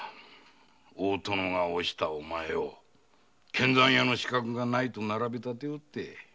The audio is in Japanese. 大殿が推したお前を献残屋の資格がないと並べ立ておって。